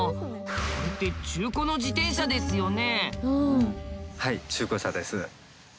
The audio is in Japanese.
これって中古の自転車ですよね？